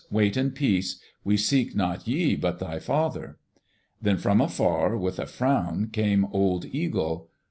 "Wait in peace. We seek not ye but thy father." Then from afar, with a frown, came old Eagle.